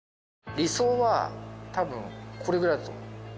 理想はたぶんこれくらいだと思う。